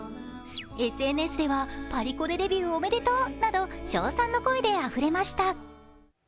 ＳＮＳでは、パリコレデビューおめでとうなど称賛の声であふれました。